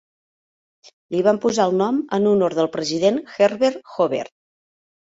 Li van posar el nom en honor del president Herbert Hoover.